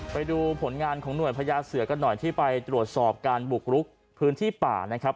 ไปดูผลงานของหน่วยพญาเสือกันหน่อยที่ไปตรวจสอบการบุกรุกพื้นที่ป่านะครับ